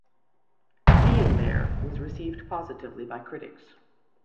"Being There" was received positively by critics.